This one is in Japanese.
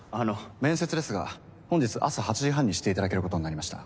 面接ですが本日朝８時半にしていただけることになりました。